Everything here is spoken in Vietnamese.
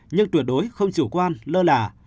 nhưng tuyệt đối không chủ quan lơ lả